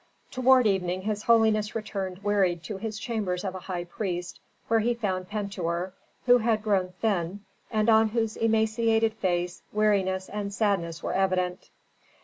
Toward evening his holiness returned wearied to his chambers of a high priest, where he found Pentuer, who had grown thin, and on whose emaciated face weariness and sadness were evident.